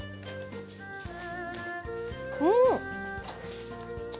うん！